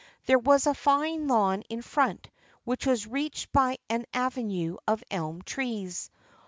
There was a fine lawn in front which was reached by an avenue of elm trees.